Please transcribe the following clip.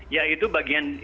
ya itu bagian